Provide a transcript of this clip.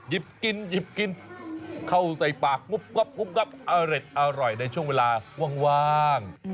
หยิบกินเขาใส่ปากก๊อบอร่อยในช่วงเวลาว่าง